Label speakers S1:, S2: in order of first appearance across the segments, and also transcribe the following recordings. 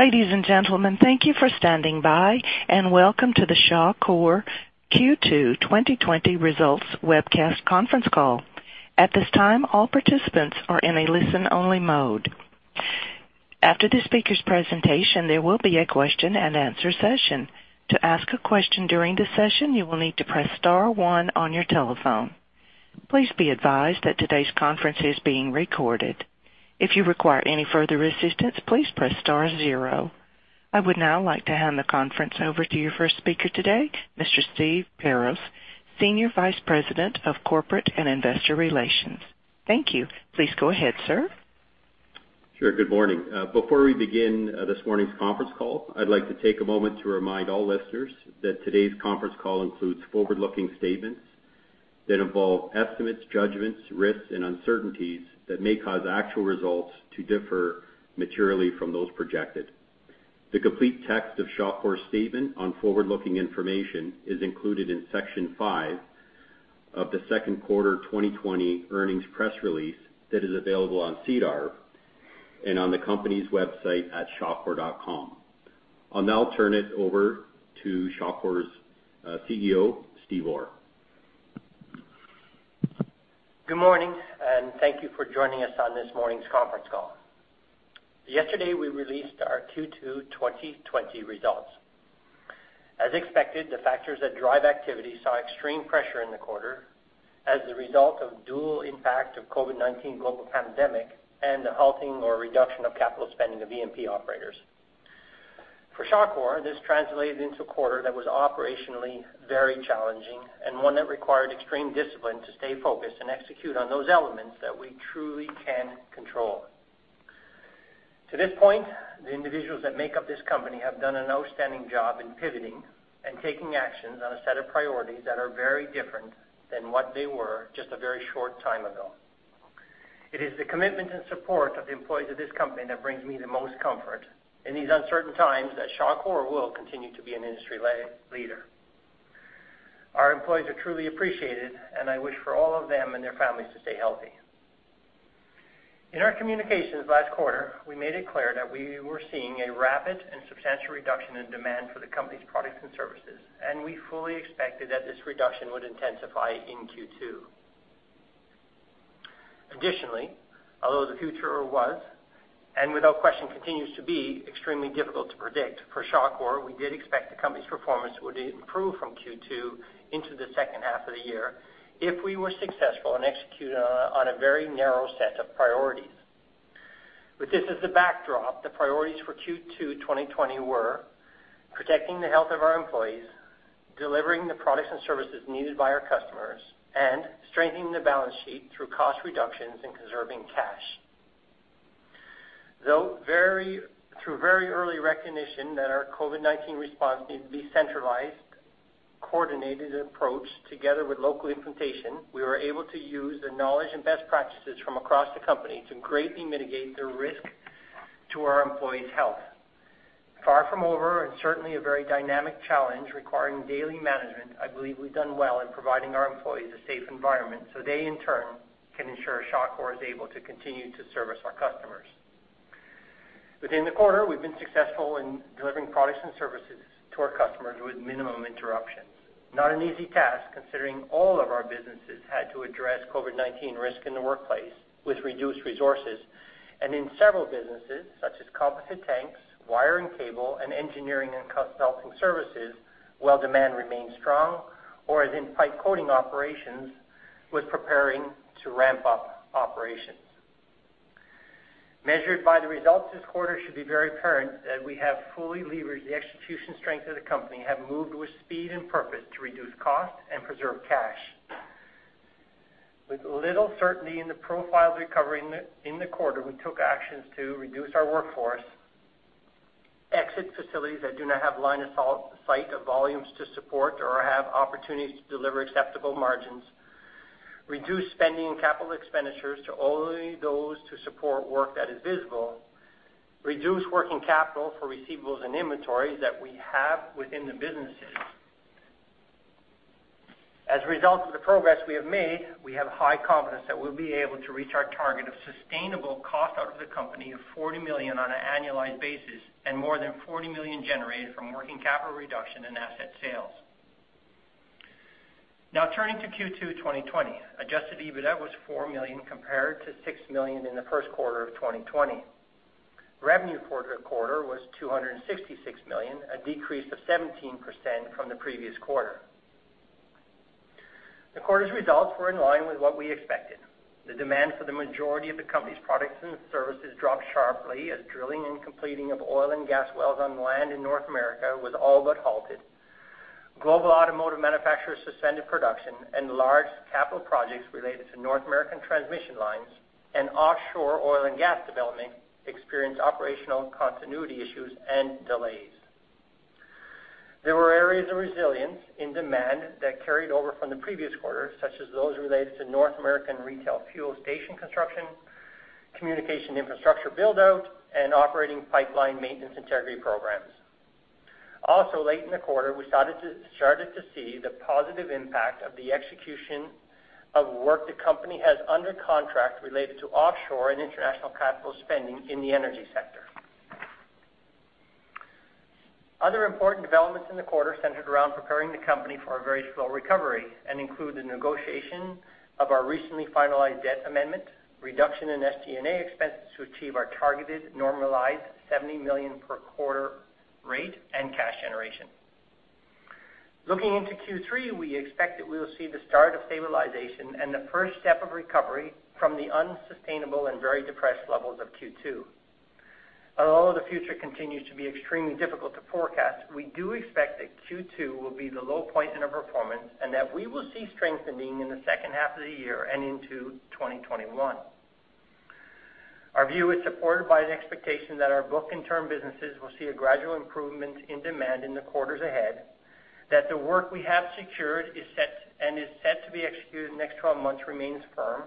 S1: Ladies and gentlemen, thank you for standing by, and welcome to the Shawcor Q2 2020 Results Webcast Conference Call. At this time, all participants are in a listen-only mode. After the speaker's presentation, there will be a question-and-answer session. To ask a question during the session, you will need to press star one on your telephone. Please be advised that today's conference is being recorded. If you require any further assistance, please press star zero. I would now like to hand the conference over to your first speaker today, Mr. Steve Perez, Senior Vice President of Corporate and Investor Relations. Thank you. Please go ahead, sir.
S2: Sure. Good morning. Before we begin this morning's conference call, I'd like to take a moment to remind all listeners that today's conference call includes forward-looking statements that involve estimates, judgments, risks, and uncertainties that may cause actual results to differ materially from those projected. The complete text of Shawcor's statement on forward-looking information is included in section five of the second quarter 2020 earnings press release that is available on SEDAR and on the company's website at shawcor.com. I'll now turn it over to Shawcor's CEO, Steve Orr.
S3: Good morning, and thank you for joining us on this morning's conference call. Yesterday, we released our Q2 2020 results. As expected, the factors that drive activity saw extreme pressure in the quarter as the result of the dual impact of the COVID-19 global pandemic and the halting or reduction of capital spending of E&P operators. For Shawcor, this translated into a quarter that was operationally very challenging and one that required extreme discipline to stay focused and execute on those elements that we truly can control. To this point, the individuals that make up this company have done an outstanding job in pivoting and taking actions on a set of priorities that are very different than what they were just a very short time ago. It is the commitment and support of the employees of this company that brings me the most comfort in these uncertain times that Shawcor will continue to be an industry leader. Our employees are truly appreciated, and I wish for all of them and their families to stay healthy. In our communications last quarter, we made it clear that we were seeing a rapid and substantial reduction in demand for the company's products and services, and we fully expected that this reduction would intensify in Q2. Additionally, although the future was, and without question continues to be, extremely difficult to predict, for Shawcor, we did expect the company's performance would improve from Q2 into the second half of the year if we were successful in executing on a very narrow set of priorities. With this as the backdrop, the priorities for Q2 2020 were protecting the health of our employees, delivering the products and services needed by our customers, and strengthening the balance sheet through cost reductions and conserving cash. Though, through very early recognition that our COVID-19 response needed to be centralized, coordinated approach together with local implementation, we were able to use the knowledge and best practices from across the company to greatly mitigate the risk to our employees' health. Far from over, and certainly a very dynamic challenge requiring daily management, I believe we've done well in providing our employees a safe environment so they, in turn, can ensure Shawcor is able to continue to service our customers. Within the quarter, we've been successful in delivering products and services to our customers with minimum interruptions. Not an easy task, considering all of our businesses had to address COVID-19 risk in the workplace with reduced resources, and in several businesses, such as composite tanks, wire and cable, and engineering and consulting services, while demand remained strong, or as in pipe coating operations, was preparing to ramp up operations. Measured by the results this quarter, it should be very apparent that we have fully leveraged the execution strength of the company, have moved with speed and purpose to reduce cost and preserve cash. With little certainty in the profile recovery in the quarter, we took actions to reduce our workforce, exit facilities that do not have line of sight of volumes to support or have opportunities to deliver acceptable margins, reduce spending and capital expenditures to only those to support work that is visible, reduce working capital for receivables and inventories that we have within the businesses. As a result of the progress we have made, we have high confidence that we'll be able to reach our target of sustainable cost out of the company of 40 million on an annualized basis and more than 40 million generated from working capital reduction and asset sales. Now, turning to Q2 2020, adjusted EBITDA was 4 million compared to 6 million in the first quarter of 2020. Revenue for the quarter was 266 million, a decrease of 17% from the previous quarter. The quarter's results were in line with what we expected. The demand for the majority of the company's products and services dropped sharply as drilling and completing of oil and gas wells on land in North America was all but halted. Global automotive manufacturers suspended production, and large capital projects related to North American transmission lines and offshore oil and gas development experienced operational continuity issues and delays. There were areas of resilience in demand that carried over from the previous quarter, such as those related to North American retail fuel station construction, communication infrastructure build-out, and operating pipeline maintenance integrity programs. Also, late in the quarter, we started to see the positive impact of the execution of work the company has under contract related to offshore and international capital spending in the energy sector. Other important developments in the quarter centered around preparing the company for a very slow recovery and include the negotiation of our recently finalized debt amendment, reduction in SG&A expenses to achieve our targeted normalized 70 million per quarter rate and cash generation. Looking into Q3, we expect that we will see the start of stabilization and the first step of recovery from the unsustainable and very depressed levels of Q2. Although the future continues to be extremely difficult to forecast, we do expect that Q2 will be the low point in our performance and that we will see strengthening in the second half of the year and into 2021. Our view is supported by the expectation that our book-and-turn businesses will see a gradual improvement in demand in the quarters ahead, that the work we have secured and is set to be executed in the next 12 months remains firm,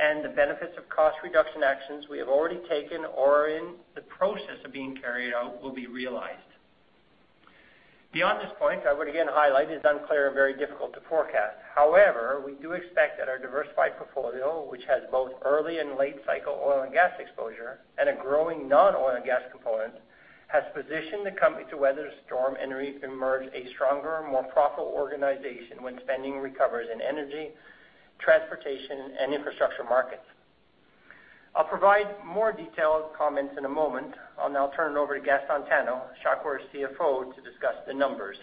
S3: and the benefits of cost reduction actions we have already taken or are in the process of being carried out will be realized. Beyond this point, I would again highlight it is unclear and very difficult to forecast. However, we do expect that our diversified portfolio, which has both early and late-cycle oil and gas exposure and a growing non-oil and gas component, has positioned the company to weather the storm and emerge a stronger, more profitable organization when spending recovers in energy, transportation, and infrastructure markets. I'll provide more detailed comments in a moment. I'll now turn it over to Gaston Tano, Shawcor's CFO, to discuss the numbers.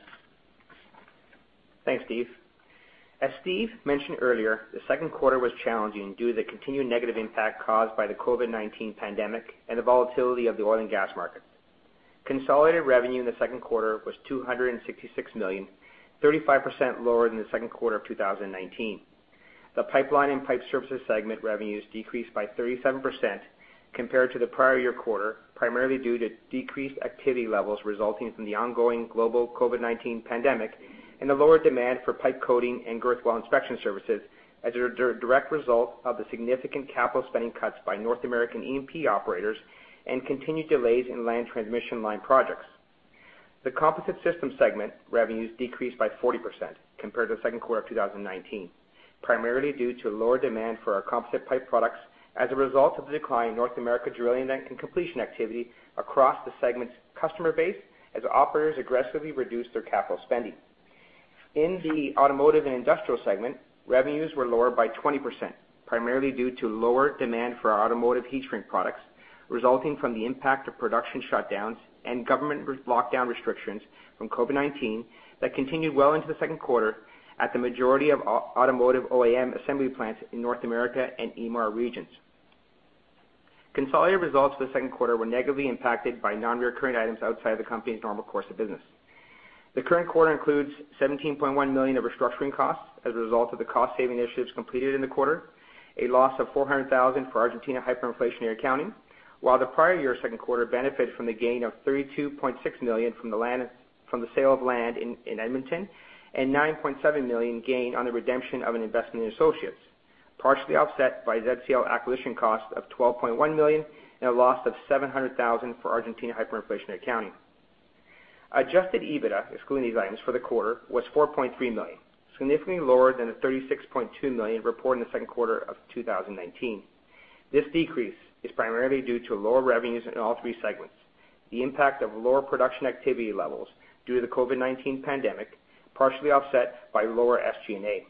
S4: Thanks, Steve. As Steve mentioned earlier, the second quarter was challenging due to the continued negative impact caused by the COVID-19 pandemic and the volatility of the oil and gas market. Consolidated revenue in the second quarter was CAD 266 million, 35% lower than the second quarter of 2019. The pipeline and pipe services segment revenues decreased by 37% compared to the prior year quarter, primarily due to decreased activity levels resulting from the ongoing global COVID-19 pandemic and the lower demand for pipe coating and girth weld inspection services as a direct result of the significant capital spending cuts by North American E&P operators and continued delays in land transmission line projects. The Composite Systems segment revenues decreased by 40% compared to the second quarter of 2019, primarily due to lower demand for our composite pipe products as a result of the decline in North America drilling and completion activity across the segment's customer base as operators aggressively reduced their capital spending. In the automotive and industrial segment, revenues were lower by 20%, primarily due to lower demand for automotive heat shrink products resulting from the impact of production shutdowns and government lockdown restrictions from COVID-19 that continued well into the second quarter at the majority of automotive OEM assembly plants in North America and EMAR regions. Consolidated results for the second quarter were negatively impacted by non-recurring items outside of the company's normal course of business. The current quarter includes CAD 17.1 million of restructuring costs as a result of the cost-saving initiatives completed in the quarter, a loss of CAD 400,000 for Argentina hyperinflationary accounting, while the prior year's second quarter benefited from the gain of CAD 32.6 million from the sale of land in Edmonton and CAD 9.7 million gain on the redemption of an investment in associates, partially offset by ZCL acquisition cost of 12.1 million and a loss of 700,000 for Argentina hyperinflationary accounting. Adjusted EBITDA, excluding these items for the quarter, was 4.3 million, significantly lower than the 36.2 million reported in the second quarter of 2019. This decrease is primarily due to lower revenues in all three segments, the impact of lower production activity levels due to the COVID-19 pandemic, partially offset by lower SG&A.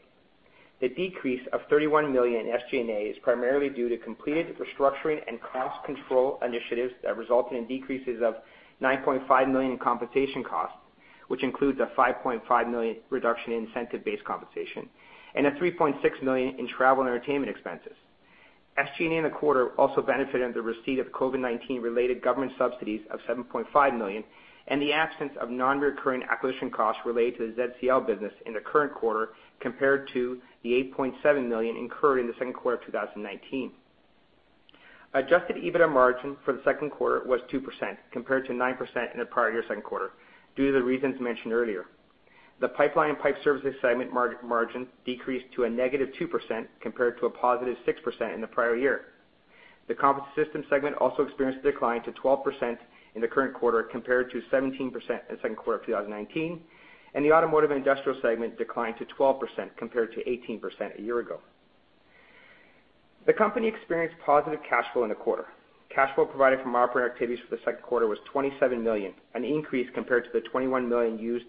S4: The decrease of 31 million in SG&A is primarily due to completed restructuring and cost control initiatives that resulted in decreases of 9.5 million in compensation costs, which includes a 5.5 million reduction in incentive-based compensation and a 3.6 million in travel and entertainment expenses. SG&A in the quarter also benefited from the receipt of COVID-19-related government subsidies of 7.5 million and the absence of non-recurring acquisition costs related to the ZCL business in the current quarter compared to the 8.7 million incurred in the second quarter of 2019. Adjusted EBITDA margin for the second quarter was 2% compared to 9% in the prior year's second quarter due to the reasons mentioned earlier. The pipeline and pipe services segment margin decreased to a minus 2% compared to a positive 6% in the prior year. The Composite System segment also experienced a decline to 12% in the current quarter compared to 17% in the second quarter of 2019, and the Automotive and Industrial segment declined to 12% compared to 18% a year ago. The company experienced positive cash flow in the quarter. Cash flow provided from operating activities for the second quarter was $27 million, an increase compared to the $21 million used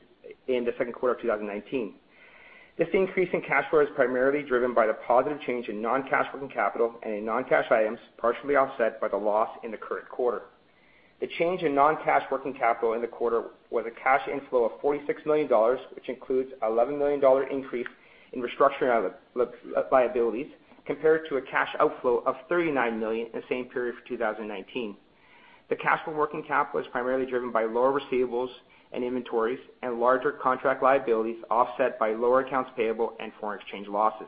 S4: in the second quarter of 2019. This increase in cash flow is primarily driven by the positive change in non-cash working capital and in non-cash items, partially offset by the loss in the current quarter. The change in non-cash working capital in the quarter was a cash inflow of $46 million, which includes an $11 million increase in restructuring liabilities compared to a cash outflow of $39 million in the same period for 2019. The cash flow working capital is primarily driven by lower receivables and inventories and larger contract liabilities offset by lower accounts payable and foreign exchange losses.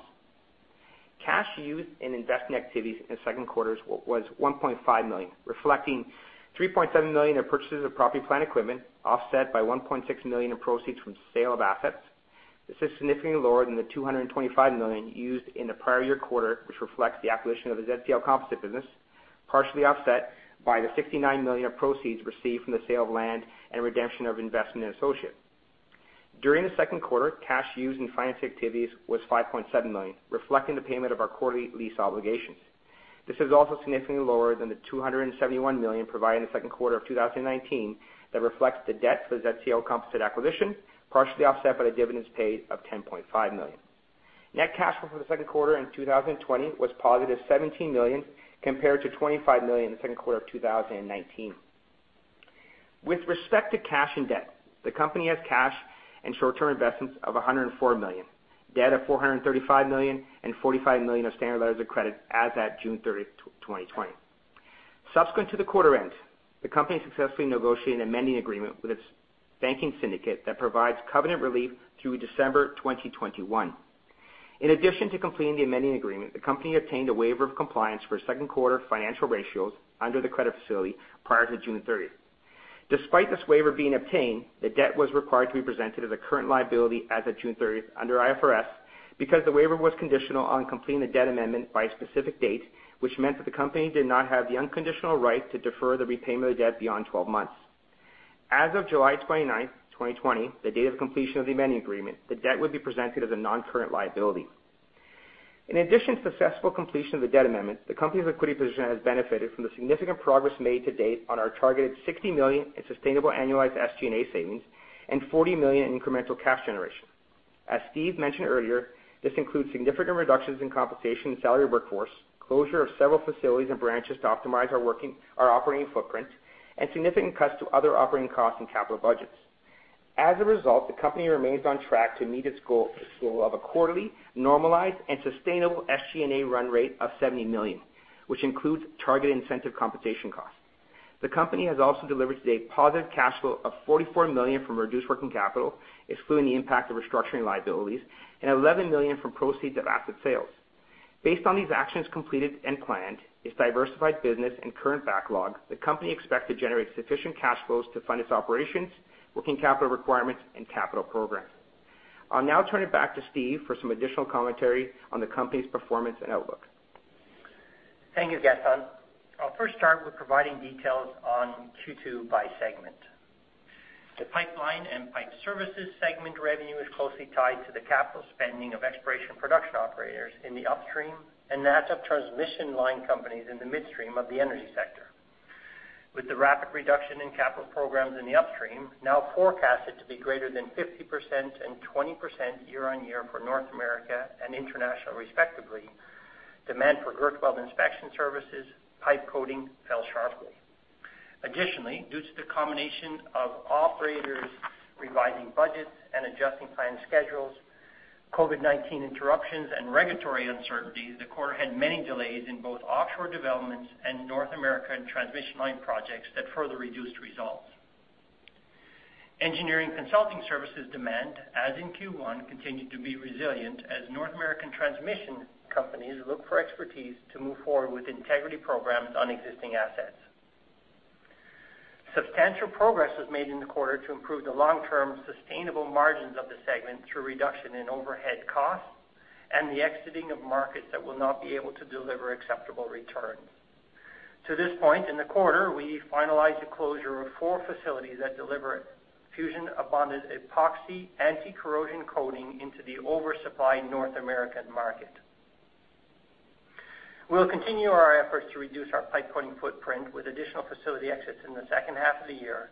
S4: Cash used in investing activities in the second quarter was 1.5 million, reflecting 3.7 million of purchases of property, plant and equipment offset by 1.6 million in proceeds from sale of assets. This is significantly lower than the 225 million used in the prior year quarter, which reflects the acquisition of the ZCL Composites business, partially offset by the 69 million of proceeds received from the sale of land and redemption of investment in associates. During the second quarter, cash used in finance activities was 5.7 million, reflecting the payment of our quarterly lease obligations. This is also significantly lower than the 271 million provided in the second quarter of 2019 that reflects the debt for the ZCL Composites acquisition, partially offset by the dividends paid of 10.5 million. Net cash flow for the second quarter in 2020 was positive 17 million compared to 25 million in the second quarter of 2019. With respect to cash and debt, the company has cash and short-term investments of 104 million, debt of 435 million, and 45 million of standard letters of credit as at June 30, 2020. Subsequent to the quarter end, the company successfully negotiated an amending agreement with its banking syndicate that provides covenant relief through December 2021. In addition to completing the amending agreement, the company obtained a waiver of compliance for second quarter financial ratios under the credit facility prior to June 30. Despite this waiver being obtained, the debt was required to be presented as a current liability as of June 30 under IFRS because the waiver was conditional on completing the debt amendment by a specific date, which meant that the company did not have the unconditional right to defer the repayment of the debt beyond 12 months. As of July 29, 2020, the date of completion of the amending agreement, the debt would be presented as a non-current liability. In addition to successful completion of the debt amendment, the company's liquidity position has benefited from the significant progress made to date on our targeted 60 million in sustainable annualized SG&A savings and 40 million in incremental cash generation. As Steve mentioned earlier, this includes significant reductions in compensation and salaried workforce, closure of several facilities and branches to optimize our operating footprint, and significant cuts to other operating costs and capital budgets. As a result, the company remains on track to meet its goal of a quarterly normalized and sustainable SG&A run rate of CAD 70 million, which includes targeted incentive compensation costs. The company has also delivered today positive cash flow of 44 million from reduced working capital, excluding the impact of restructuring liabilities, and 11 million from proceeds of asset sales. Based on these actions completed and planned, its diversified business and current backlog, the company expects to generate sufficient cash flows to fund its operations, working capital requirements, and capital program. I'll now turn it back to Steve for some additional commentary on the company's performance and outlook.
S3: Thank you, Gaston. I'll first start with providing details on Q2 by segment. The Pipeline and Pipe Services segment revenue is closely tied to the capital spending of exploration production operators in the upstream and that of transmission line companies in the midstream of the energy sector. With the rapid reduction in capital programs in the upstream, now forecasted to be greater than 50% and 20% year-on-year for North America and international respectively, demand for girth weld inspection services, pipe coating fell sharply. Additionally, due to the combination of operators revising budgets and adjusting planned schedules, COVID-19 interruptions, and regulatory uncertainties, the quarter had many delays in both offshore developments and North American transmission line projects that further reduced results. Engineering consulting services demand, as in Q1, continued to be resilient as North American transmission companies look for expertise to move forward with integrity programs on existing assets. Substantial progress was made in the quarter to improve the long-term sustainable margins of the segment through reduction in overhead costs and the exiting of markets that will not be able to deliver acceptable returns. To this point in the quarter, we finalized the closure of four facilities that deliver fusion bonded epoxy anti-corrosion coating into the oversupplied North American market. We'll continue our efforts to reduce our pipe coating footprint with additional facility exits in the second half of the year,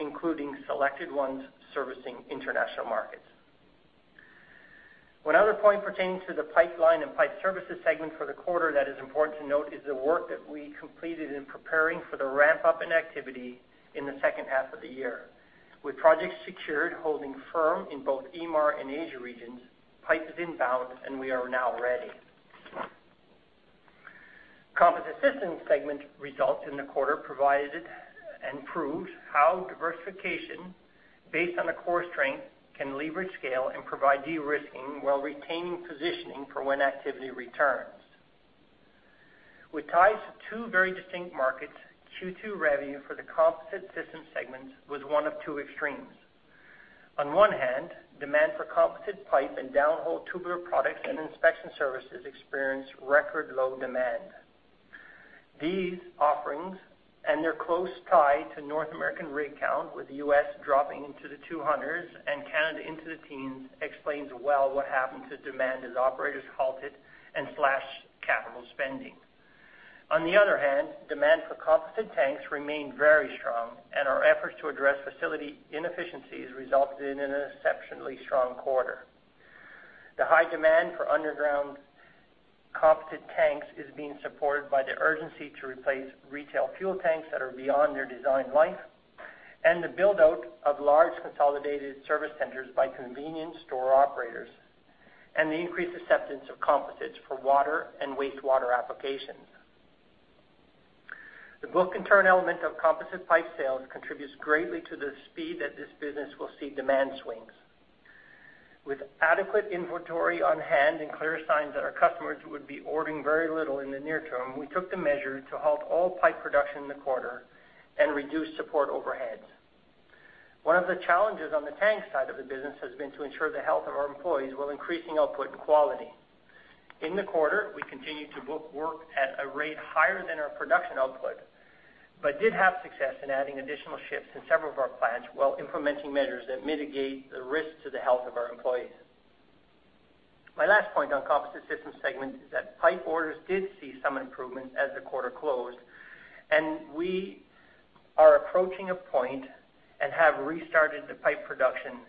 S3: including selected ones servicing international markets. One other point pertaining to the pipeline and pipe services segment for the quarter that is important to note is the work that we completed in preparing for the ramp-up in activity in the second half of the year. With projects secured, holding firm in both EMAR and Asia regions, pipe is inbound and we are now ready. Composite systems segment results in the quarter provided and proved how diversification based on the core strength can leverage scale and provide de-risking while retaining positioning for when activity returns. With ties to two very distinct markets, Q2 revenue for the composite system segments was one of two extremes. On one hand, demand for composite pipe and downhole tubular products and inspection services experienced record low demand. These offerings and their close tie to North American rig count, with the U.S. dropping into the 200s and Canada into the teens, explains well what happened to demand as operators halted and slashed capital spending. On the other hand, demand for composite tanks remained very strong, and our efforts to address facility inefficiencies resulted in an exceptionally strong quarter. The high demand for underground composite tanks is being supported by the urgency to replace retail fuel tanks that are beyond their design life and the build-out of large consolidated service centers by convenience store operators and the increased acceptance of composites for water and wastewater applications. The book-and-turn element of composite pipe sales contributes greatly to the speed that this business will see demand swings. With adequate inventory on hand and clear signs that our customers would be ordering very little in the near term, we took the measure to halt all pipe production in the quarter and reduce support overheads. One of the challenges on the tank side of the business has been to ensure the health of our employees while increasing output and quality. In the quarter, we continued to book work at a rate higher than our production output but did have success in adding additional shifts in several of our plants while implementing measures that mitigate the risk to the health of our employees. My last point on composite systems segment is that pipe orders did see some improvements as the quarter closed, and we are approaching a point and have restarted the pipe production.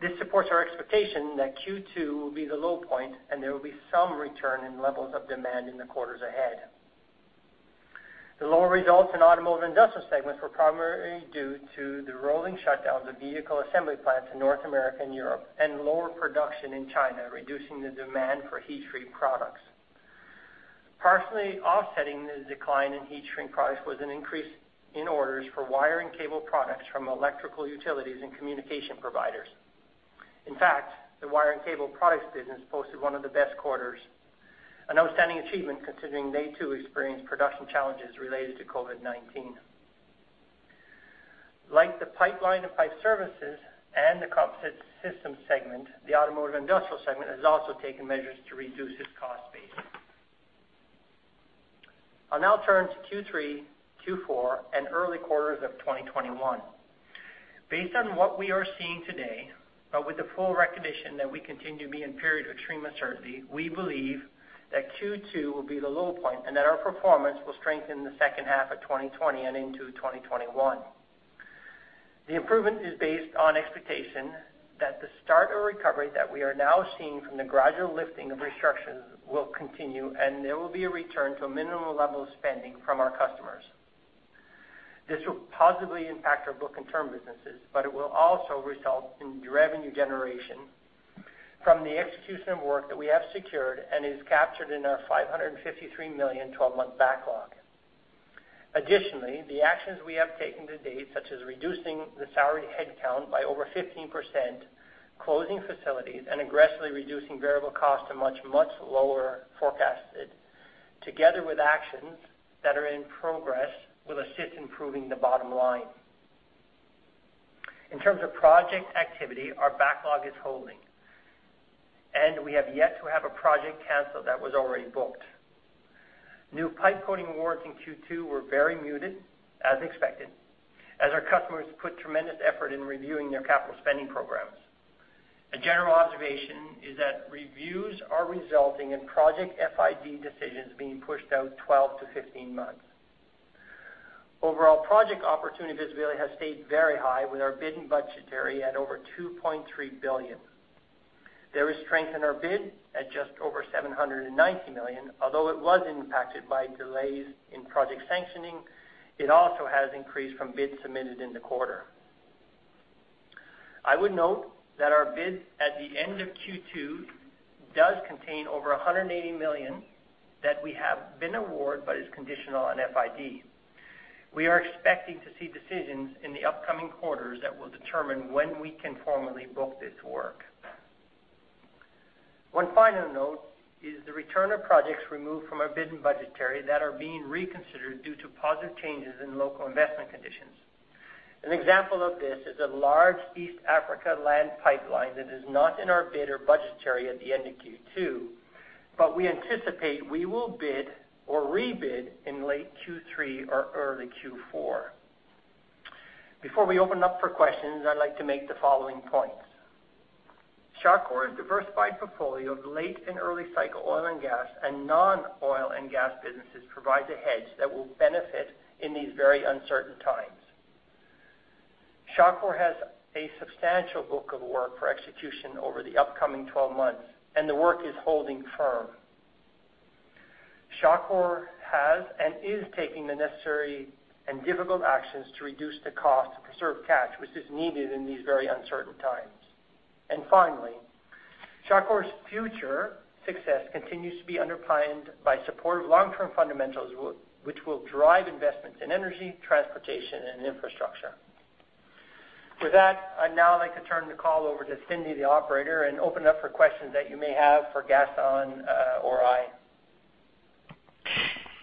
S3: This supports our expectation that Q2 will be the low point and there will be some return in levels of demand in the quarters ahead. The lower results in automotive industrial segments were primarily due to the rolling shutdowns of vehicle assembly plants in North America and Europe and lower production in China, reducing the demand for heat shrink products. Partially offsetting the decline in heat shrink products was an increase in orders for wire and cable products from electrical utilities and communication providers. In fact, the wire and cable products business posted one of the best quarters, an outstanding achievement considering they too experienced production challenges related to COVID-19. Like the pipeline and pipe services and the composite systems segment, the automotive industrial segment has also taken measures to reduce its cost base. I'll now turn to Q3, Q4, and early quarters of 2021. Based on what we are seeing today, but with the full recognition that we continue to be in a period of extreme uncertainty, we believe that Q2 will be the low point and that our performance will strengthen in the second half of 2020 and into 2021. The improvement is based on expectation that the start of recovery that we are now seeing from the gradual lifting of restrictions will continue and there will be a return to a minimum level of spending from our customers. This will positively impact our book-and-turn businesses, but it will also result in revenue generation from the execution of work that we have secured and is captured in our 553 million 12-month backlog. Additionally, the actions we have taken to date, such as reducing the salary headcount by over 15%, closing facilities, and aggressively reducing variable costs to much, much lower forecasted, together with actions that are in progress will assist in improving the bottom line. In terms of project activity, our backlog is holding, and we have yet to have a project canceled that was already booked. New pipe coating awards in Q2 were very muted, as expected, as our customers put tremendous effort in reviewing their capital spending programs. A general observation is that reviews are resulting in project FID decisions being pushed out 12 to 15 months. Overall, project opportunity visibility has stayed very high with our bid and budgetary at over 2.3 billion. There is strength in our bid at just over 790 million. Although it was impacted by delays in project sanctioning, it also has increased from bids submitted in the quarter. I would note that our bid at the end of Q2 does contain over 180 million that we have been awarded but is conditional on FID. We are expecting to see decisions in the upcoming quarters that will determine when we can formally book this work. One final note is the return of projects removed from our Bid and Budgetary that are being reconsidered due to positive changes in local investment conditions. An example of this is a large East Africa land pipeline that is not in our bid or budgetary at the end of Q2, but we anticipate we will bid or re-bid in late Q3 or early Q4. Before we open up for questions, I'd like to make the following points. Shawcor's diversified portfolio of late and early cycle oil and gas and non-oil and gas businesses provides a hedge that will benefit in these very uncertain times. Shawcor has a substantial book of work for execution over the upcoming 12 months, and the work is holding firm. Shawcor has and is taking the necessary and difficult actions to reduce the cost to preserve cash, which is needed in these very uncertain times. And finally, Shawcor's future success continues to be underpinned by supportive long-term fundamentals, which will drive investments in energy, transportation, and infrastructure. With that, I'd now like to turn the call over to Cindy, the operator, and open up for questions that you may have for Gaston or I.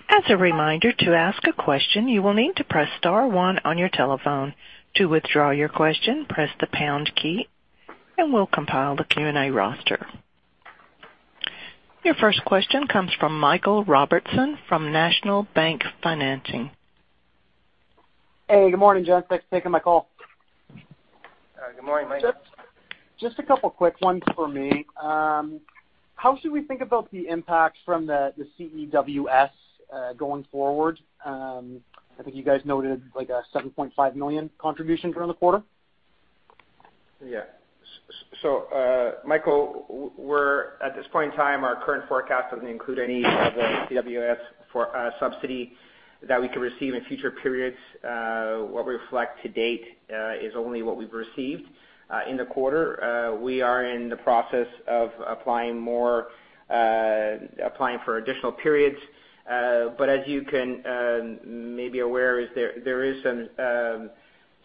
S1: As a reminder to ask a question, you will need to press star one on your telephone. To withdraw your question, press the pound key, and we'll compile the Q&A roster. Your first question comes from Michael Robertson from National Bank Financial.
S5: Hey, good morning, Gaston. Thanks for taking my call.
S4: Good morning, Michael.
S5: Just a couple of quick ones for me. How should we think about the impact from the CEWS going forward? I think you guys noted a 7.5 million contribution during the quarter.
S4: Yeah. So Michael, at this point in time, our current forecast doesn't include any of the CEWS subsidy that we could receive in future periods. What we reflect to date is only what we've received in the quarter. We are in the process of applying for additional periods. But as you can maybe be aware, there are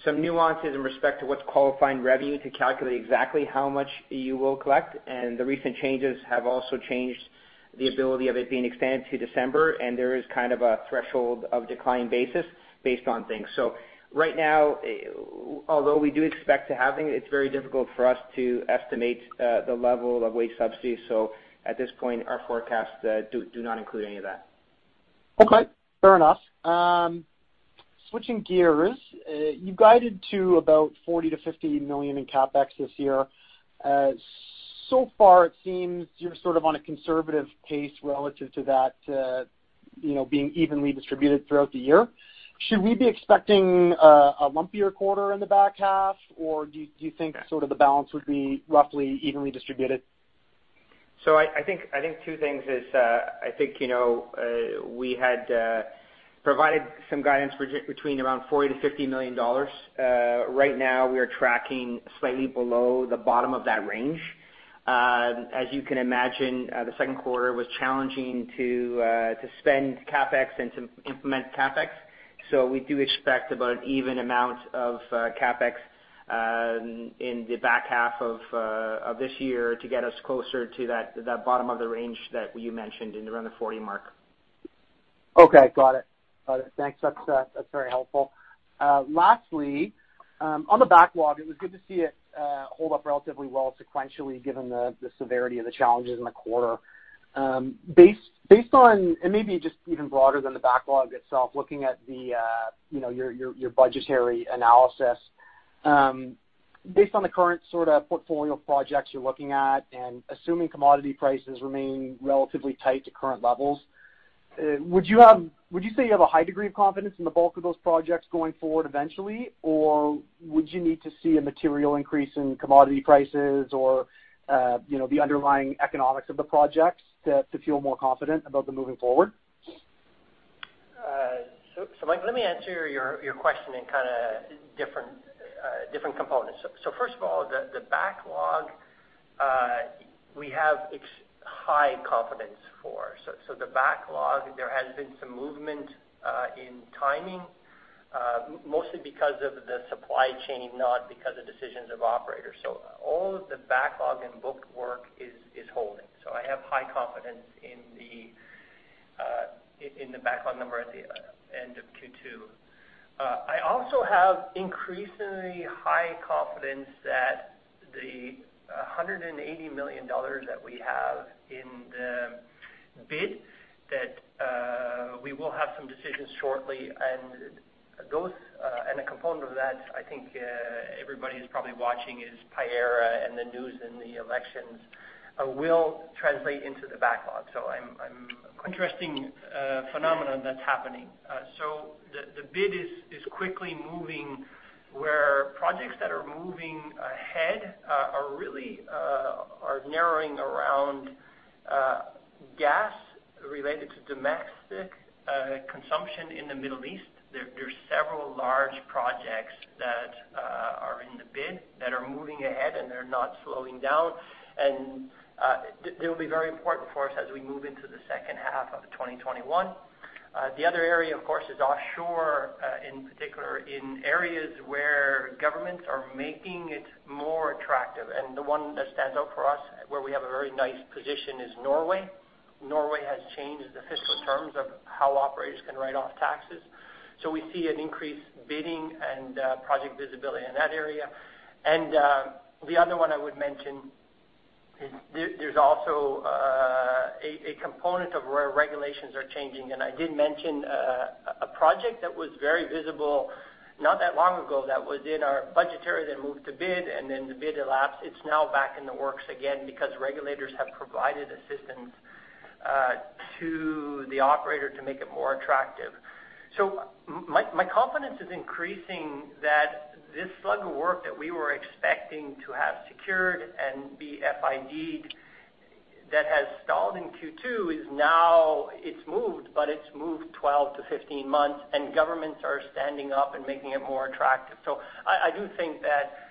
S4: some nuances in respect to what's qualifying revenue to calculate exactly how much you will collect. And the recent changes have also changed the ability of it being extended to December, and there is kind of a threshold of decline basis based on things. So right now, although we do expect to have it, it's very difficult for us to estimate the level of wage subsidy. So at this point, our forecasts do not include any of that.
S5: Okay. Fair enough. Switching gears, you guided to about 40 million-50 million in CapEx this year. So far, it seems you're sort of on a conservative pace relative to that being evenly distributed throughout the year. Should we be expecting a lumpier quarter in the back half, or do you think sort of the balance would be roughly evenly distributed?
S3: I think two things. I think we had provided some guidance between around 40 million-50 million dollars. Right now, we are tracking slightly below the bottom of that range. As you can imagine, the second quarter was challenging to spend CapEx and to implement CapEx. We do expect about an even amount of CapEx in the back half of this year to get us closer to that bottom of the range that you mentioned in around the 40 million mark.
S5: Okay. Got it. Got it. Thanks. That's very helpful. Lastly, on the backlog, it was good to see it hold up relatively well sequentially given the severity of the challenges in the quarter. Based on, and maybe just even broader than the backlog itself, looking at your budgetary analysis, based on the current sort of portfolio projects you're looking at and assuming commodity prices remain relatively tight to current levels, would you say you have a high degree of confidence in the bulk of those projects going forward eventually, or would you need to see a material increase in commodity prices or the underlying economics of the projects to feel more confident about the moving forward?
S3: So Mike, let me answer your question in kind of different components. So first of all, the backlog, we have high confidence for. So the backlog, there has been some movement in timing, mostly because of the supply chain, not because of decisions of operators. So all of the backlog and booked work is holding. So I have high confidence in the backlog number at the end of Q2. I also have increasingly high confidence that the $180 million that we have in the bid, that we will have some decisions shortly. And a component of that, I think everybody is probably watching, is Payara and the news and the elections will translate into the backlog. So I'm-Interesting phenomenon that's happening. So the bid is quickly moving where projects that are moving ahead are really narrowing around gas related to domestic consumption in the Middle East. There are several large projects that are in the bid that are moving ahead, and they're not slowing down. They will be very important for us as we move into the second half of 2021. The other area, of course, is offshore, in particular in areas where governments are making it more attractive. The one that stands out for us, where we have a very nice position, is Norway. Norway has changed the fiscal terms of how operators can write off taxes. We see an increased bidding and project visibility in that area. The other one I would mention is there's also a component of where regulations are changing. I did mention a project that was very visible not that long ago that was in our budgetary that moved to bid, and then the bid elapsed. It's now back in the works again because regulators have provided assistance to the operator to make it more attractive. So my confidence is increasing that this slug of work that we were expecting to have secured and be FID that has stalled in Q2 is now. It's moved, but it's moved 12-15 months, and governments are standing up and making it more attractive. So I do think that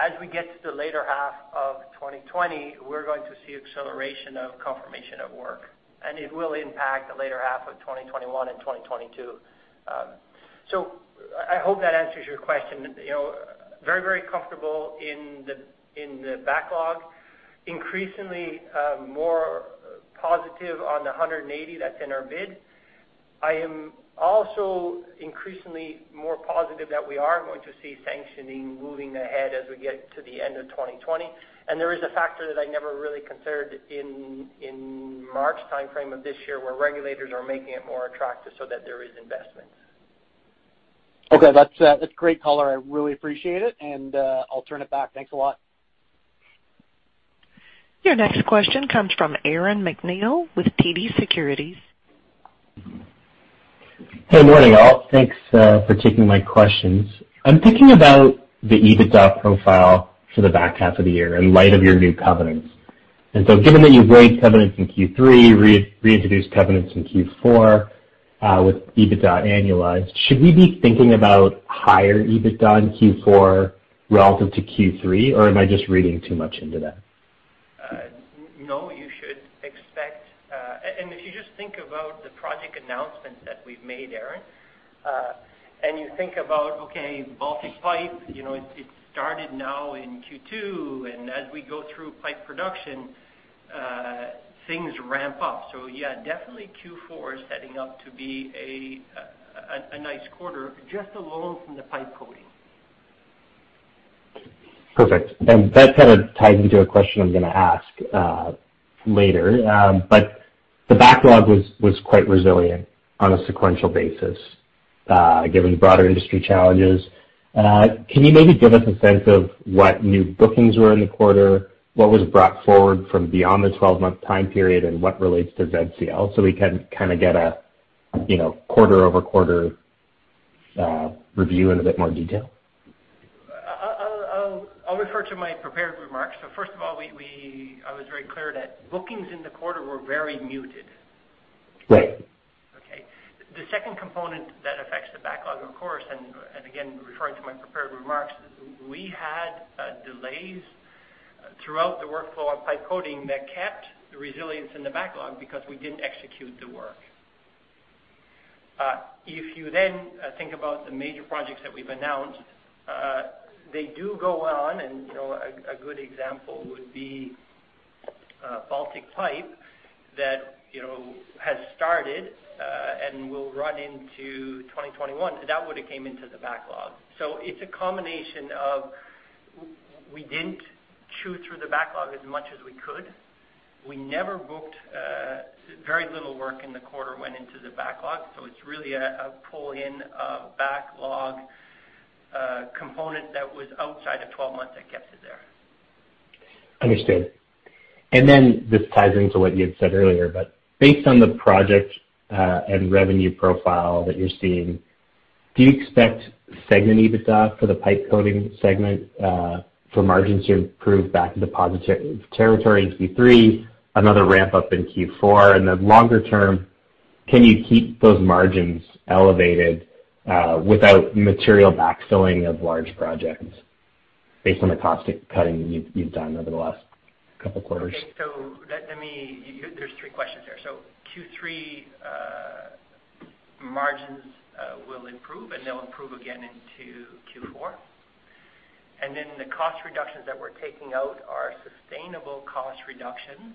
S3: as we get to the later half of 2020, we're going to see acceleration of confirmation of work, and it will impact the later half of 2021 and 2022. So I hope that answers your question. Very, very comfortable in the backlog, increasingly more positive on the 180 that's in our bid. I am also increasingly more positive that we are going to see sanctioning moving ahead as we get to the end of 2020. There is a factor that I never really considered in March timeframe of this year where regulators are making it more attractive so that there is investment.
S5: Okay. That's great, Caller. I really appreciate it, and I'll turn it back. Thanks a lot.
S1: Your next question comes from Aaron MacNeil with TD Securities.
S6: Hey, morning, all. Thanks for taking my questions. I'm thinking about the EBITDA profile for the back half of the year in light of your new covenants. And so given that you've raised covenants in Q3, reintroduced covenants in Q4 with EBITDA annualized, should we be thinking about higher EBITDA in Q4 relative to Q3, or am I just reading too much into that?
S3: No, you should expect. And if you just think about the project announcements that we've made, Aaron, and you think about, okay, Baltic Pipe, it started now in Q2, and as we go through pipe production, things ramp up. So yeah, definitely Q4 is setting up to be a nice quarter just alone from the pipe coating.
S6: Perfect. And that kind of ties into a question I'm going to ask later. But the backlog was quite resilient on a sequential basis given broader industry challenges. Can you maybe give us a sense of what new bookings were in the quarter, what was brought forward from beyond the 12-month time period, and what relates to ZCL so we can kind of get a quarter-over-quarter review in a bit more detail?
S3: I'll refer to my prepared remarks. First of all, I was very clear that bookings in the quarter were very muted.
S6: Right.
S3: Okay. The second component that affects the backlog, of course, and again, referring to my prepared remarks, we had delays throughout the workflow on pipe coating that kept the resilience in the backlog because we didn't execute the work. If you then think about the major projects that we've announced, they do go on, and a good example would be Baltic Pipe that has started and will run into 2021. That would have come into the backlog. So it's a combination of we didn't chew through the backlog as much as we could. We never booked very little work in the quarter went into the backlog. So it's really a pull-in backlog component that was outside of 12 months that kept it there.
S6: Understood. And then this ties into what you had said earlier, but based on the project and revenue profile that you're seeing, do you expect segment EBITDA for the pipe coating segment for margins to improve back into positive territory in Q3, another ramp-up in Q4? And then longer term, can you keep those margins elevated without material backfilling of large projects based on the cost cutting you've done over the last couple of quarters?
S3: Okay. There's three questions there. Q3 margins will improve, and they'll improve again into Q4. The cost reductions that we're taking out are sustainable cost reductions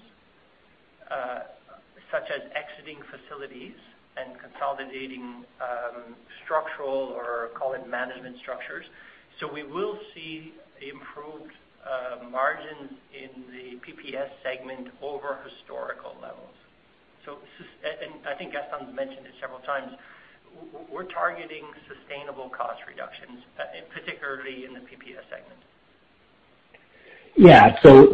S3: such as exiting facilities and consolidating structural or call it management structures. We will see improved margins in the PPS segment over historical levels. I think Gaston mentioned it several times. We're targeting sustainable cost reductions, particularly in the PPS segment.
S6: Yeah. So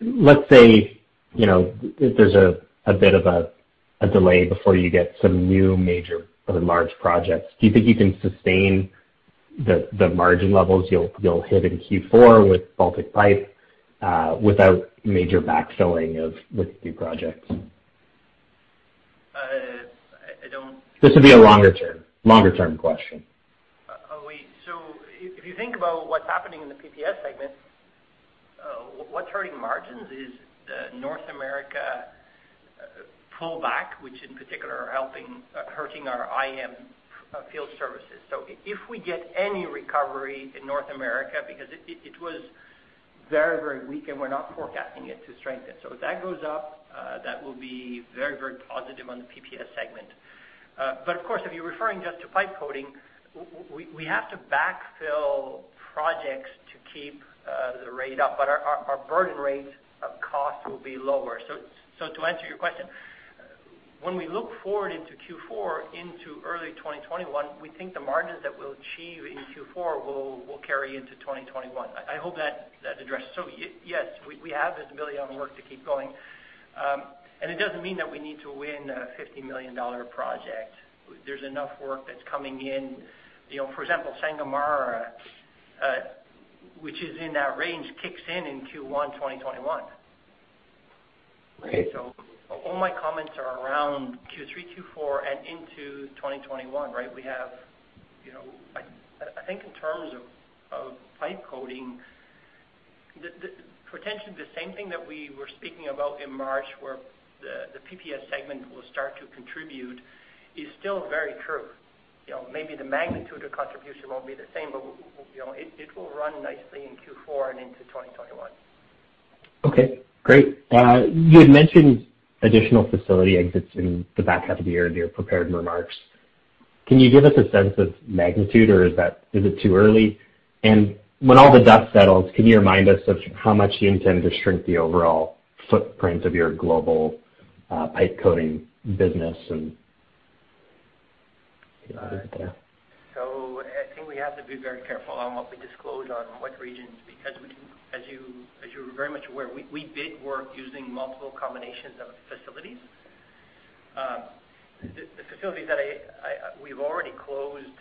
S6: let's say if there's a bit of a delay before you get some new major or large projects, do you think you can sustain the margin levels you'll hit in Q4 with Baltic Pipe without major backfilling of with new projects?
S3: I don't.
S6: This would be a longer-term question.
S3: So if you think about what's happening in the PPS segment, what's hurting margins is the North America pullback, which in particular are hurting our IM field services. So if we get any recovery in North America because it was very, very weak, and we're not forecasting it to strengthen. So if that goes up, that will be very, very positive on the PPS segment. But of course, if you're referring just to pipe coating, we have to backfill projects to keep the rate up, but our burden rate of cost will be lower. So to answer your question, when we look forward into Q4, into early 2021, we think the margins that we'll achieve in Q4 will carry into 2021. I hope that addresses. So yes, we have visibility on work to keep going. And it doesn't mean that we need to win a $50 million project. There's enough work that's coming in. For example, Sangomar, which is in that range, kicks in in Q1 2021. So all my comments are around Q3, Q4, and into 2021, right? We have, I think in terms of pipe coating, potentially the same thing that we were speaking about in March where the PPS segment will start to contribute is still very true. Maybe the magnitude of contribution won't be the same, but it will run nicely in Q4 and into 2021.
S6: Okay. Great. You had mentioned additional facility exits in the back half of the year in your prepared remarks. Can you give us a sense of magnitude, or is it too early? And when all the dust settles, can you remind us of how much you intend to shrink the overall footprint of your global pipe coating business and get out of there?
S3: So I think we have to be very careful on what we disclose on what regions because, as you're very much aware, we did work using multiple combinations of facilities. The facilities that we've already closed,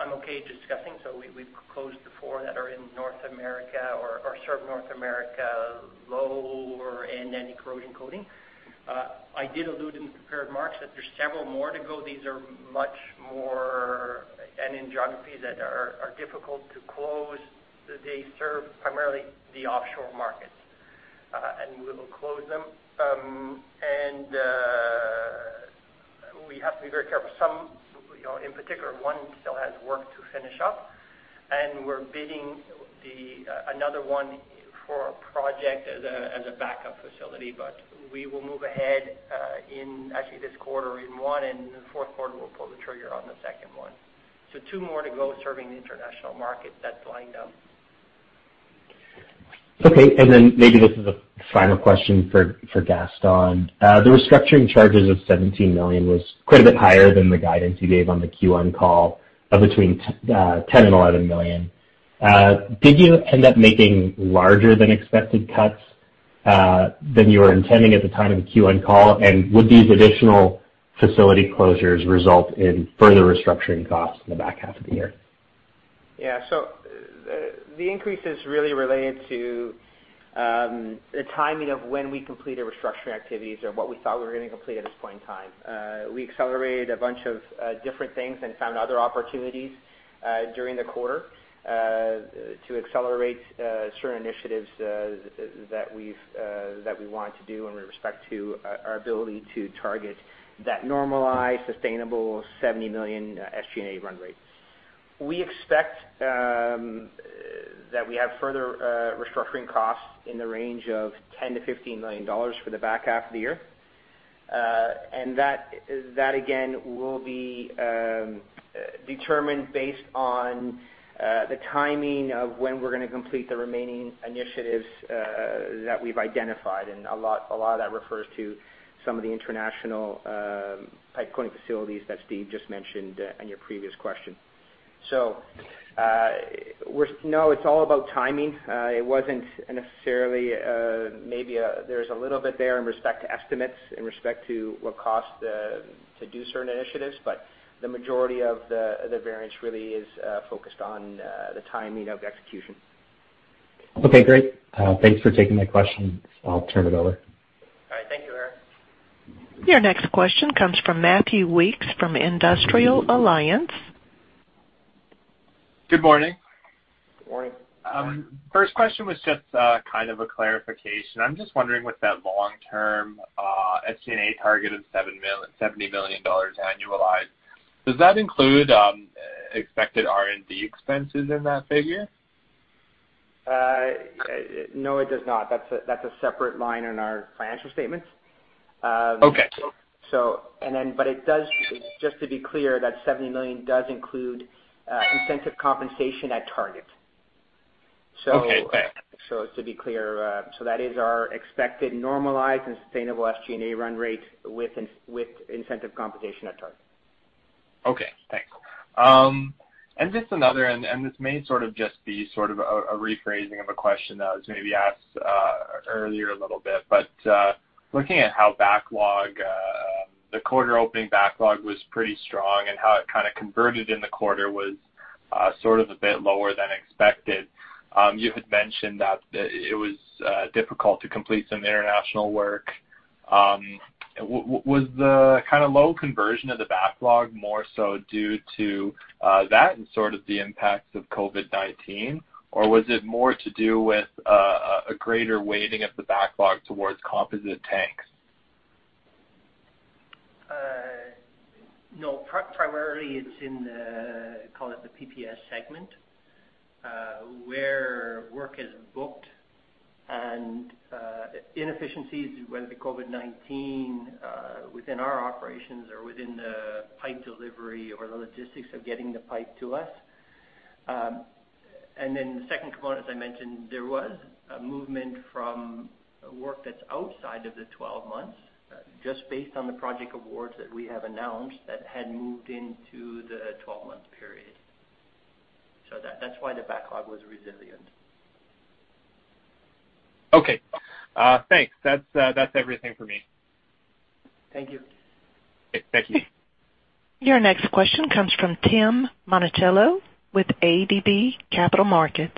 S3: I'm okay discussing. So we've closed the four that are in North America or serve North America low or in any corrosion coating. I did allude in the prepared remarks that there's several more to go. These are much more and in geographies that are difficult to close. They serve primarily the offshore markets, and we will close them. And we have to be very careful. Some, in particular, one still has work to finish up, and we're bidding another one for a project as a backup facility, but we will move ahead in actually this quarter in one, and the fourth quarter we'll pull the trigger on the second one. Two more to go, serving the international market that's lined up.
S6: Okay. And then maybe this is a final question for Gaston. The restructuring charges of CAD 17 million was quite a bit higher than the guidance you gave on the Q1 call of between CAD 10 million and CAD 11 million. Did you end up making larger-than-expected cuts than you were intending at the time of the Q1 call? And would these additional facility closures result in further restructuring costs in the back half of the year?
S4: Yeah. So the increase is really related to the timing of when we complete our restructuring activities or what we thought we were going to complete at this point in time. We accelerated a bunch of different things and found other opportunities during the quarter to accelerate certain initiatives that we want to do in respect to our ability to target that normalized sustainable 70 million SG&A run rate. We expect that we have further restructuring costs in the range of 10 million to 15 million dollars for the back half of the year. And that, again, will be determined based on the timing of when we're going to complete the remaining initiatives that we've identified. And a lot of that refers to some of the international pipe coating facilities that Steve just mentioned in your previous question. So no, it's all about timing. It wasn't necessarily, maybe there's a little bit there in respect to estimates, in respect to what costs to do certain initiatives, but the majority of the variance really is focused on the timing of execution.
S6: Okay. Great. Thanks for taking my questions. I'll turn it over.
S3: All right. Thank you, Aaron.
S1: Your next question comes from Matthew Weekes from iA Capital Markets.
S7: Good morning.
S3: Good morning.
S7: First question was just kind of a clarification. I'm just wondering with that long-term SG&A target of 70 million dollars annualized, does that include expected R&D expenses in that figure?
S3: No, it does not. That's a separate line in our financial statements.
S7: Okay.
S3: It does, just to be clear, that 70 million does include incentive compensation at target.
S7: Okay. Okay.
S3: So to be clear, so that is our expected normalized and sustainable SG&A run rate with incentive compensation at target.
S7: Okay. Thanks. And this may sort of just be sort of a rephrasing of a question that was maybe asked earlier a little bit. But looking at how backlog, the quarter-opening backlog was pretty strong and how it kind of converted in the quarter was sort of a bit lower than expected. You had mentioned that it was difficult to complete some international work. Was the kind of low conversion of the backlog more so due to that and sort of the impacts of COVID-19, or was it more to do with a greater weighting of the backlog towards composite tanks?
S3: No. Primarily, it's in thecall it the PPS segment where work is booked and inefficiencies, whether the COVID-19 within our operations or within the pipe delivery or the logistics of getting the pipe to us. And then the second component, as I mentioned, there was a movement from work that's outside of the 12 months just based on the project awards that we have announced that had moved into the 12-month period. So that's why the backlog was resilient.
S7: Okay. Thanks. That's everything for me.
S3: Thank you.
S7: Thank you.
S1: Your next question comes from Tim Monachello with ATB Capital Markets.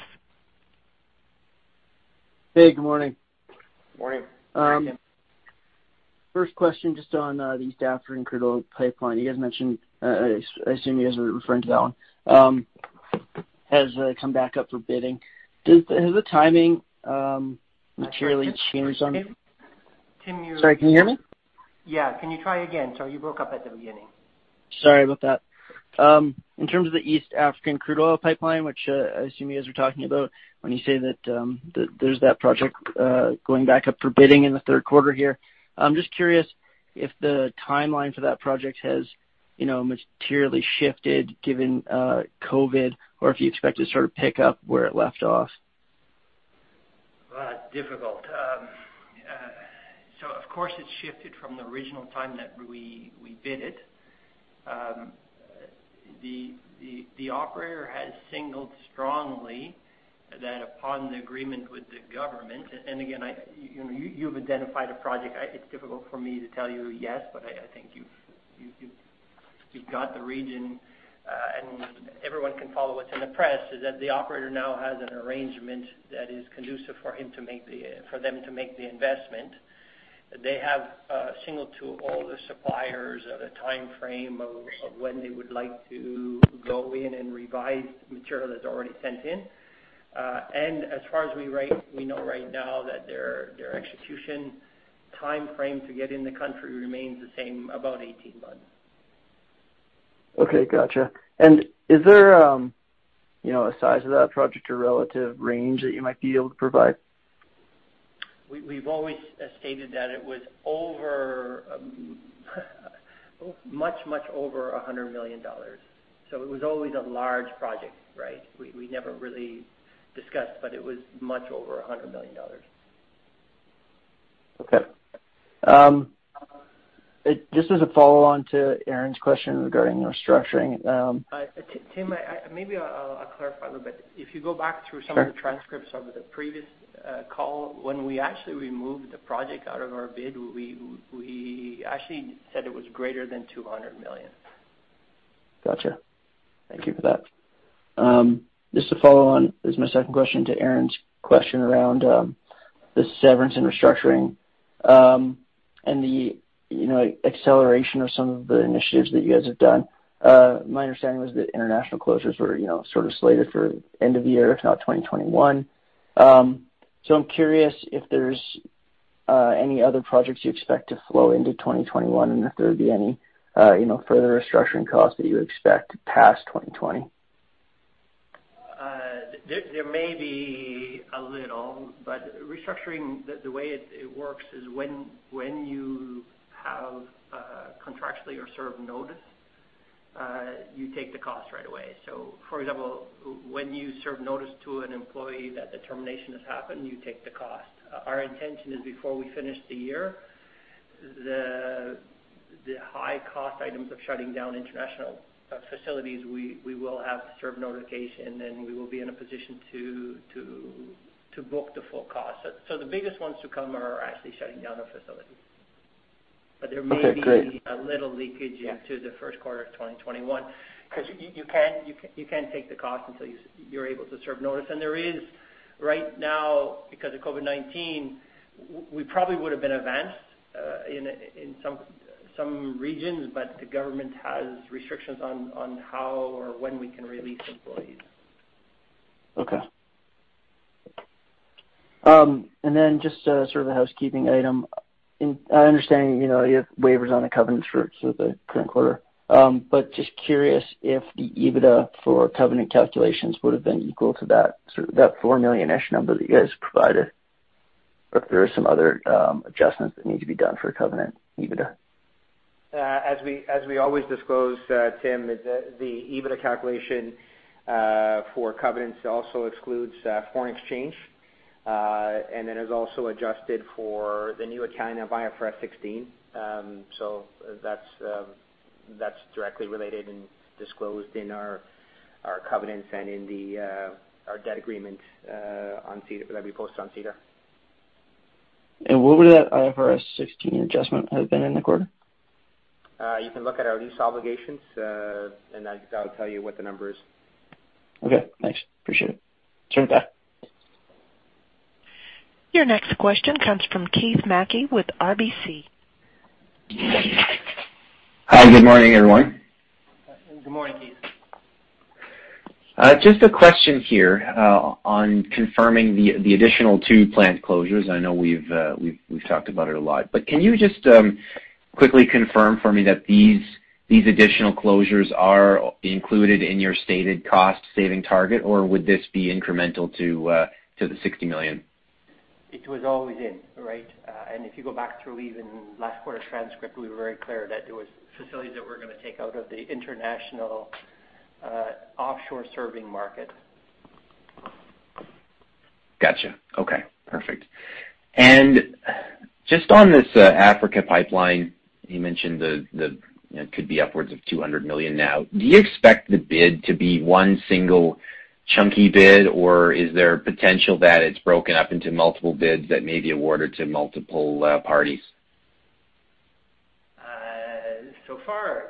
S8: Hey, good morning.
S3: Good morning.
S4: Hey, Tim.
S9: First question just on the East African Crude Oil Pipeline. You guys mentioned, I assume you guys are referring to that one, has come back up for bidding. Has the timing materially changed on?
S3: Tim, you're-
S8: Sorry, can you hear me?
S3: Yeah. Can you try again? Sorry, you broke up at the beginning.
S8: Sorry about that. In terms of the East African Crude Oil Pipeline, which I assume you guys are talking about when you say that there's that project going back up for bidding in the third quarter here, I'm just curious if the timeline for that project has materially shifted given COVID or if you expect it to sort of pick up where it left off?
S3: Difficult. So of course, it shifted from the original time that we bid it. The operator has signaled strongly that upon the agreement with the government, and again, you've identified a project. It's difficult for me to tell you yes, but I think you've got the region, and everyone can follow what's in the press. Is that the operator now has an arrangement that is conducive for them to make the investment. They have signaled to all the suppliers of a timeframe of when they would like to go in and revise the material that's already sent in. As far as we know right now, that their execution timeframe to get in the country remains the same, about 18 months.
S8: Okay. Gotcha. And is there a size of that project or relative range that you might be able to provide?
S3: We've always stated that it was much, much over 100 million dollars. So it was always a large project, right? We never really discussed, but it was much over 100 million dollars.
S8: Okay. Just as a follow-on to Aaron's question regarding restructuring.
S3: Tim, maybe I'll clarify a little bit. If you go back through some of the transcripts of the previous call, when we actually removed the project out of our bid, we actually said it was greater than 200 million.
S8: Gotcha. Thank you for that. Just to follow on, this is my second question to Aaron's question around the severance and restructuring and the acceleration of some of the initiatives that you guys have done. My understanding was that international closures were sort of slated for end of year, if not 2021. So I'm curious if there's any other projects you expect to flow into 2021 and if there would be any further restructuring costs that you expect past 2020.
S3: There may be a little, but restructuring, the way it works is when you have contractually or serve notice, you take the cost right away. So for example, when you serve notice to an employee that the termination has happened, you take the cost. Our intention is before we finish the year, the high-cost items of shutting down international facilities, we will have serve notification, and we will be in a position to book the full cost. So the biggest ones to come are actually shutting down a facility. But there may be a little leakage into the first quarter of 2021 because you can't take the cost until you're able to serve notice. And there is right now, because of COVID-19, we probably would have been advanced in some regions, but the government has restrictions on how or when we can release employees.
S8: Okay. And then just sort of a housekeeping item. I understand you have waivers on the covenants for the current quarter, but just curious if the EBITDA for covenant calculations would have been equal to that 4 million-ish number that you guys provided, or if there are some other adjustments that need to be done for covenant EBITDA.
S4: As we always disclose, Tim, the EBITDA calculation for covenants also excludes foreign exchange, and then it's also adjusted for the new accounting via IFRS 16. That's directly related and disclosed in our covenants and in our debt agreement that we posted on SEDAR.
S8: What would that IFRS 16 adjustment have been in the quarter?
S4: You can look at our lease obligations, and that'll tell you what the number is.
S8: Okay. Thanks. Appreciate it. Certainly.
S1: Your next question comes from Keith Mackey with RBC.
S10: Hi. Good morning, everyone.
S3: Good morning, Keith.
S10: Just a question here on confirming the additional two planned closures. I know we've talked about it a lot, but can you just quickly confirm for me that these additional closures are included in your stated cost-saving target, or would this be incremental to the 60 million?
S3: It was always in, right? And if you go back through even last quarter transcript, we were very clear that there were facilities that we're going to take out of the international offshore serving market.
S10: Gotcha. Okay. Perfect. And just on this Africa pipeline, you mentioned it could be upwards of 200 million now. Do you expect the bid to be one single chunky bid, or is there potential that it's broken up into multiple bids that may be awarded to multiple parties?
S3: So far,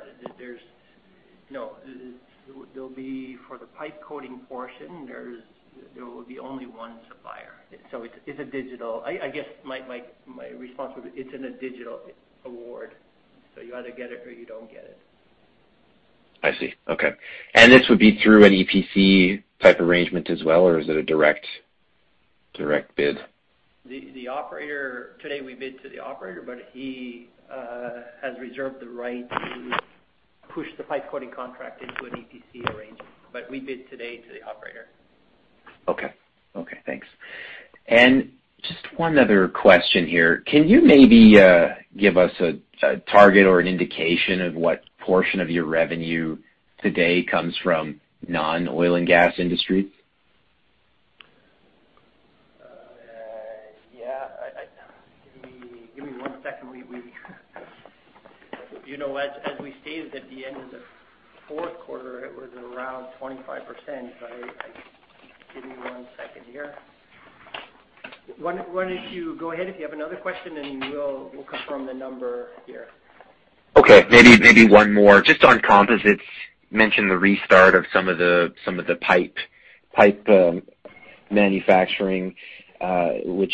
S3: there'll be for the pipe coating portion, there will be only one supplier. So it's a single award. I guess my response would be it's a single award. So you either get it or you don't get it.
S10: I see. Okay. And this would be through an EPC type arrangement as well, or is it a direct bid? Today, we bid to the operator, but he has reserved the right to push the pipe coating contract into an EPC arrangement. But we bid today to the operator. Okay. Okay. Thanks. And just one other question here. Can you maybe give us a target or an indication of what portion of your revenue today comes from non-oil and gas industries?
S3: Yeah. Give me one second. As we stated at the end of the fourth quarter, it was around 25%. Give me one second here. Why don't you go ahead if you have another question, and we'll confirm the number here.
S10: Okay. Maybe one more. Just on composites, mention the restart of some of the pipe manufacturing, which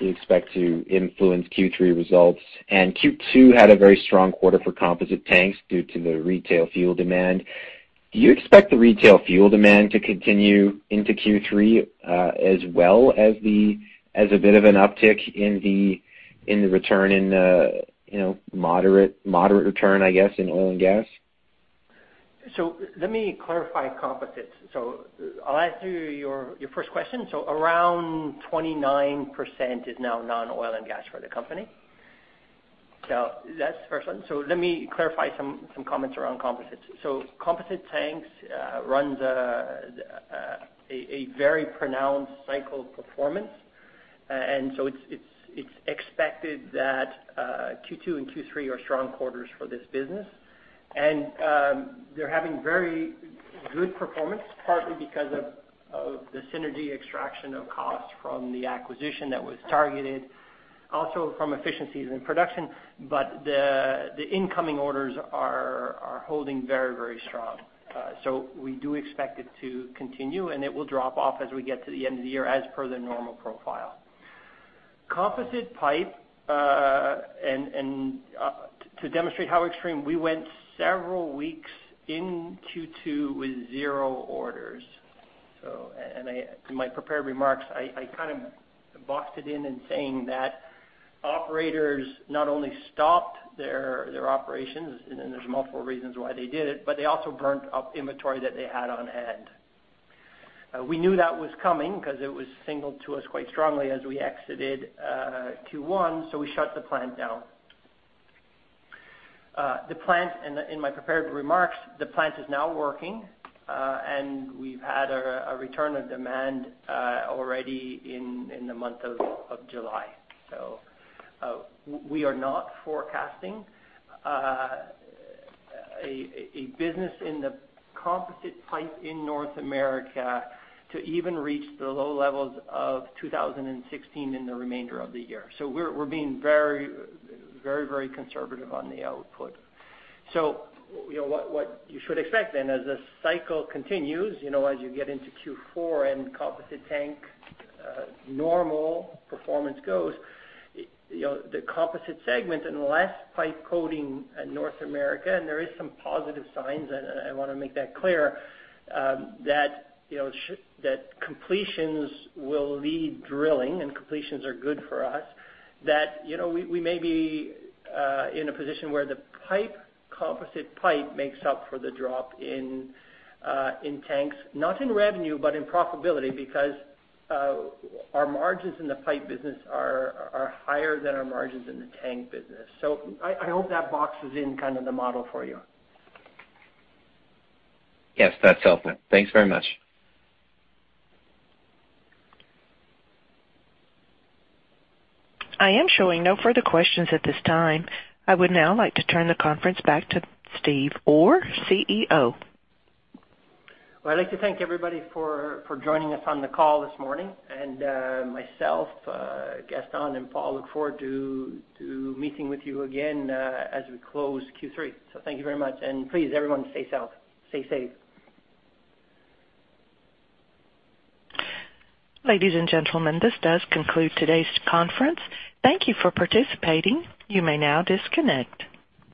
S10: you expect to influence Q3 results. Q2 had a very strong quarter for composite tanks due to the retail fuel demand. Do you expect the retail fuel demand to continue into Q3 as well as a bit of an uptick in the return in moderate return, I guess, in oil and gas?
S3: So let me clarify composites. So I'll answer your first question. So around 29% is now non-oil and gas for the company. So that's the first one. So let me clarify some comments around composites. So composite tanks run a very pronounced cycle performance. And so it's expected that Q2 and Q3 are strong quarters for this business. And they're having very good performance, partly because of the synergy extraction of cost from the acquisition that was targeted, also from efficiencies in production. But the incoming orders are holding very, very strong. So we do expect it to continue, and it will drop off as we get to the end of the year as per the normal profile. Composite pipe, and to demonstrate how extreme, we went several weeks in Q2 with zero orders. In my prepared remarks, I kind of boxed it in in saying that operators not only stopped their operations, and there's multiple reasons why they did it, but they also burnt up inventory that they had on hand. We knew that was coming because it was signaled to us quite strongly as we exited Q1, so we shut the plant down. In my prepared remarks, the plant is now working, and we've had a return of demand already in the month of July. We are not forecasting a business in the composite pipe in North America to even reach the low levels of 2016 in the remainder of the year. We're being very, very conservative on the output. So what you should expect then as the cycle continues, as you get into Q4 and composite tank normal performance goes, the composite segment and less pipe coating in North America, and there are some positive signs, and I want to make that clear, that completions will lead drilling and completions are good for us, that we may be in a position where the composite pipe makes up for the drop in tanks, not in revenue, but in profitability because our margins in the pipe business are higher than our margins in the tank business. So I hope that boxes in kind of the model for you.
S10: Yes, that's helpful. Thanks very much.
S1: I am showing no further questions at this time. I would now like to turn the conference back to Steve Orr, CEO.
S3: Well, I'd like to thank everybody for joining us on the call this morning. Myself, Gaston, and Paul look forward to meeting with you again as we close Q3. Thank you very much. Please, everyone, stay safe.
S1: Ladies and gentlemen, this does conclude today's conference. Thank you for participating. You may now disconnect.